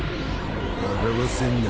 笑わせんな。